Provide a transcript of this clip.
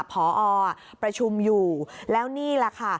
พอประชุมอยู่แล้วนี่แหละค่ะ